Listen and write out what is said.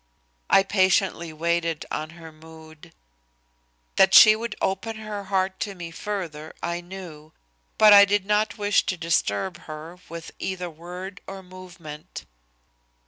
I patiently waited on her mood. That she would open her heart to me further I knew, but I did not wish to disturb her with either word or movement.